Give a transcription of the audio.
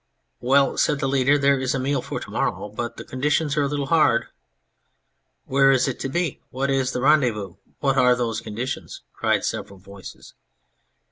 " Well," said the leader, " there is a meal for to morrow. But the conditions are a little hard." " Where is it to be ? What is the rendezvous ? What are those conditions ?" cried several voices.